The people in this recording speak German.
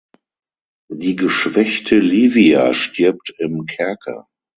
Die geschwächte Livia stirbt im Kerker.